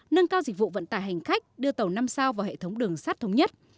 nâng cao dịch vụ vận tải hành khách đưa tàu năm sao vào hệ thống đường sắt thống nhất